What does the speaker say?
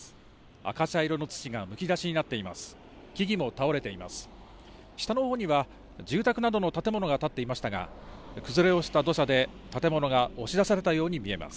赤茶色の土がむき出しになっています。